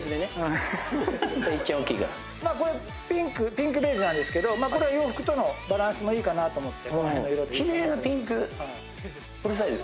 ピンクベースなんですけど、洋服とのバランスもいいかなと思って。